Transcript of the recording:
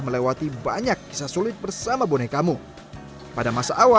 omsetnya kisaran empat puluh sampai lima puluh sini